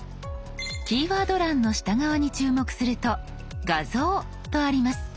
キーワード欄の下側に注目すると「画像」とあります。